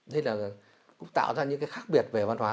nên là cũng tạo ra những cái khác biệt về văn hóa